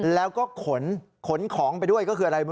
แล้วก็ขนขนของไปด้วยก็คืออะไร